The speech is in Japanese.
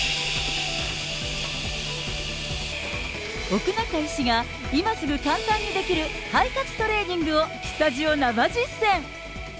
奥仲医師が、今すぐ簡単にできる肺活トレーニングをスタジオ生実践。